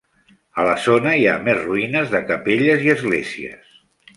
A la zona hi ha més ruïnes de capelles i esglésies.